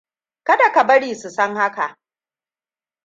Kada ka bari su san haka.